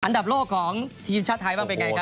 อันดับโลกของทีมชาติไทยบ้างเป็นไงครับ